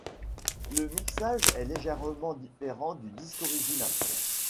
Le mixage est légèrement différent du disque original.